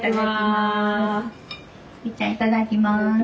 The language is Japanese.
いただきます。